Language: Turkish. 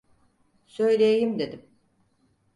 Söyleyeyim dedim.